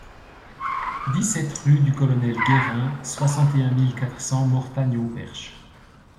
dix-sept rue du Colonel Guérin, soixante et un mille quatre cents Mortagne-au-Perche